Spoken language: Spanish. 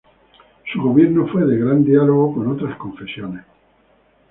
Su gobierno fue de gran diálogo con otras confesiones.